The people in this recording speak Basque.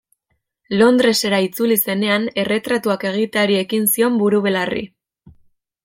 Londresera itzuli zenean erretratuak egiteari ekin zion buru-belarri.